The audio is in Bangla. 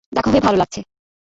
দেখা হয়ে ভালো লাগছে।